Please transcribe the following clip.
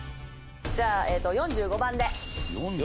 じゃあ４５番で。